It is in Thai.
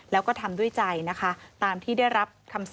แล้วก็ทำด้วยใจนะคะ